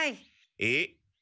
えっ？